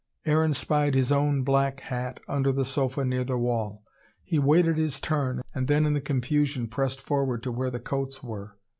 Aaron spied his own black hat under the sofa near the wall. He waited his turn and then in the confusion pressed forward to where the coats were.